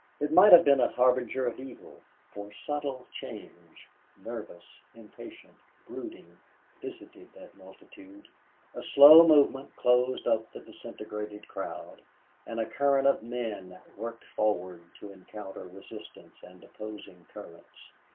It might have been a harbinger of evil, for a subtle change, nervous, impatient, brooding, visited that multitude. A slow movement closed up the disintegrated crowd and a current of men worked forward to encounter resistance and opposing currents.